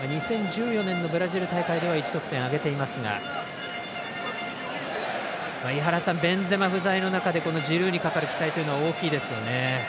２０１４年のブラジル大会では１得点を挙げていますがベンゼマ不在の中でジルーにかかる期待というのは大きいですよね。